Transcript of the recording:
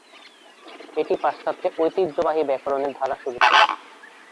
এটি পাশ্চাত্যে ঐতিহ্যবাহী ব্যাকরণের ধারা শুরু করে।